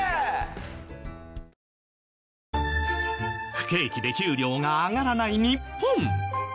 不景気で給料が上がらない日本。